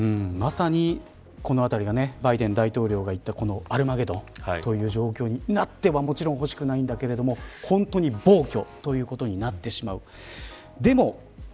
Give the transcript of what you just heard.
まさに、このあたりがバイデン大統領が言ったアルマゲドンという状況になってほしくはないんだけれど本当に暴挙ということになってしまう。